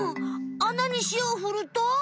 あなにしおをふると？